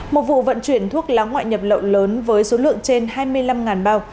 một vụ vận chuyển thuốc lá ngoại nhập lậu lớn với số lượng trên hai mươi năm bao